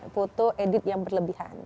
foto edit yang berlebihan